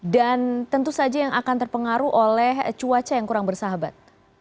dan tentu saja yang akan terpengaruh oleh cuaca yang kurang bersahabat